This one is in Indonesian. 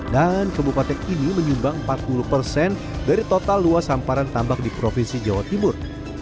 dan kebupatnya ini menyumbang empat puluh dari total luas samparan tambak di provinsi jawa timur